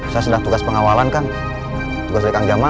saya sedang tugas pengawalan kang tugas dari kang jamaah